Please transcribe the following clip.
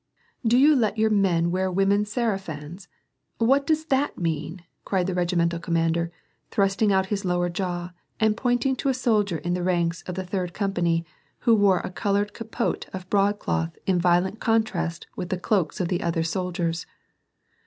"Do you let your men wear women's sarafans ? What does that mean?" cried the regimental commander, thrusting out Ins lower jaw and pointing to a soldier in the ranks of the tin rd company who wore a colored capote of broadcloth m violent contrast with the cloaks of the other soldiers.